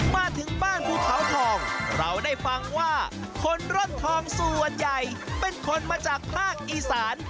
มาถึงบ้านภูเขาทองเราได้ฟังว่าคนร่อนทองส่วนใหญ่เป็นคนมาจากภาคอีสาน